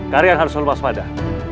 karian harus lupa swadah